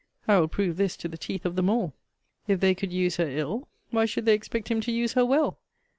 I will prove this to the teeth of them all. If they could use her ill, why should they expect him to use her well?